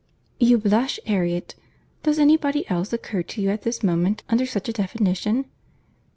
You blush, Harriet.—Does any body else occur to you at this moment under such a definition?